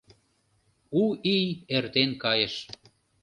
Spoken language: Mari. — У ий эртен кайыш.